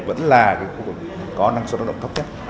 vẫn là khu vực có năng suất lao động thấp nhất